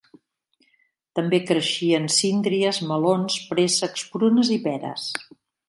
També creixien síndries, melons, préssecs, prunes i peres.